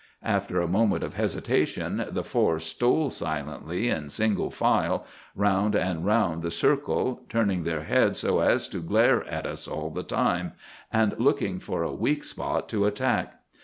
After a moment of hesitation, the four stole silently, in single file, round and round the circle, turning their heads so as to glare at us all the time, and looking for a weak spot to attack.